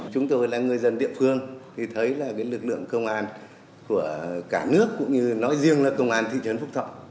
chúng tôi là người dân địa phương thì thấy là lực lượng công an của cả nước cũng như nói riêng là công an thị trấn phúc thọ